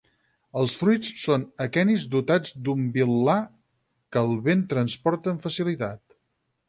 Els fruits són aquenis dotats d'un vil·là que el vent transporta amb facilitat.